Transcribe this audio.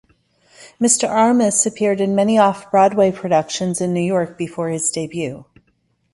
Mr. Armus appeared in many off-Broadway productions in New York before his debut.